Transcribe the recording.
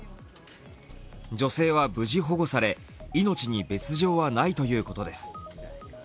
女性は無事保護され、命に別状はないということです。